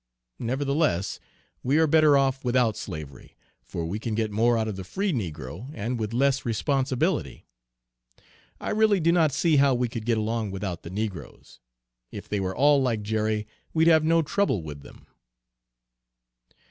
Nevertheless we are better off without slavery, for we can get more out of the free negro, and with less responsibility. I really do not see how we could get along without the negroes. If they were all like Jerry, we'd have no trouble with them."